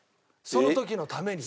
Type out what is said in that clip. その時のために。